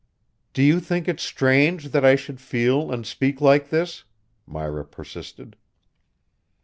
"Do you think it's strange that I should feel and speak like this?" Myra persisted.